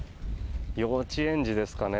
幼稚園児ですかね。